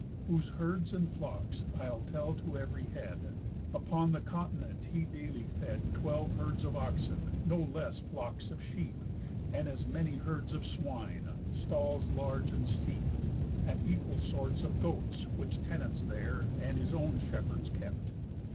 Whose herds and flocks I'll tell to ev'ry head: Upon the continent he daily fed Twelve herds of oxen, no less flocks of sheep, As many herds of swine, stalls large and steep, And equal sorts of goats, which tenants there, And his own shepherds, kept.